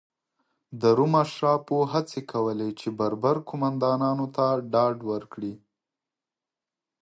د روم اشرافو هڅې کولې چې بربر قومندانانو ته ډاډ ورکړي.